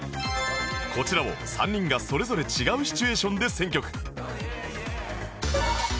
こちらを３人がそれぞれ違うシチュエーションで選曲